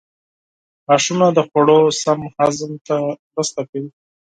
غاښونه د خوړو سم هضم ته مرسته کوي.